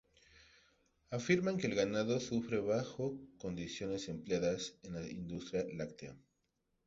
Afirman que el ganado sufre bajo condiciones empleadas en la industria láctea.